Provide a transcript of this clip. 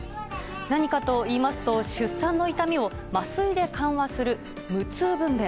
何かといいますと出産の痛みを麻酔で緩和する無痛分娩。